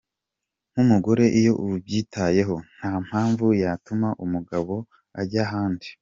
Nk’umugore iyo ubyitayeho, nta mpamvu yatuma umugabo ajya ahandi.